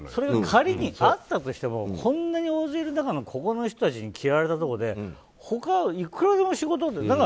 仮に、それがあったとしてもこんなに大勢いる中のここの人たちに嫌われたところで他にいくらでも仕事がある。